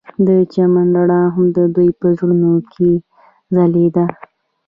د چمن رڼا هم د دوی په زړونو کې ځلېده.